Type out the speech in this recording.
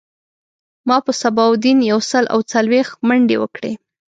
ما په صباح الدین یو سل او څلویښت منډی وکړی